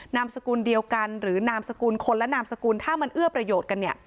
นามสกุลเดียวกันหรือนามสกุลคนและนามสกุลถ้ามันเอื้อประโยชน์กันเนี่ย